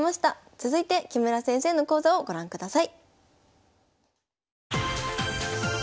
続いて木村先生の講座をご覧ください。